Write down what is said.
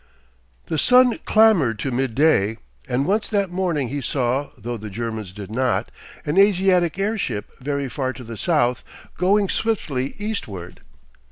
The sun clambered to midday, and once that morning he saw, though the Germans did not, an Asiatic airship very far to the south, going swiftly eastward.